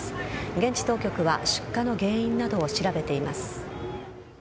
現地当局は出火の原因などを調べています。